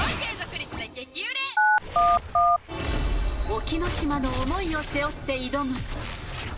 隠岐の島の想いを背負って挑む。